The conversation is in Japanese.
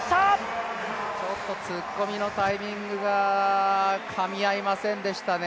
突っ込みのタイミングがかみ合いませんでしたね。